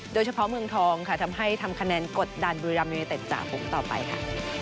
โดยเฉพาะเมืองทองค่ะทำให้ทำคะแนนกดดันบุรีรัมยูเนเต็ดจากฟุกต่อไปค่ะ